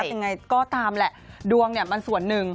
อย่างไรก็ตามแหละดวงมันส่วนหนึ่ง